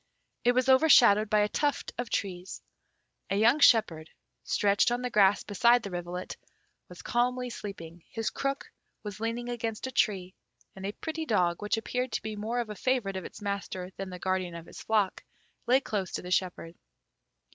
It was overshadowed by a tuft of trees. A young shepherd, stretched on the grass beside the rivulet, was calmly sleeping; his crook was leaning against a tree, and a pretty dog, which appeared to be more a favourite of its master than the guardian of his flock, lay close to the shepherd.